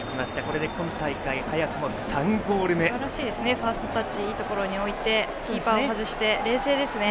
ファーストタッチいいところに置いてキーパーを外して冷静ですね。